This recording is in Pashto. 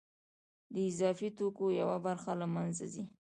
د اضافي توکو یوه برخه له منځه ځي